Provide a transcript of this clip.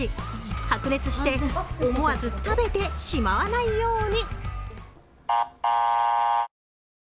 白熱して思わず食べてしまわないように。